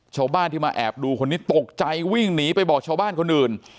ชาวบ้านที่มาแอบดูคนนี้ตกใจวิ่งหนีไปบอกชาวบ้านคนอื่น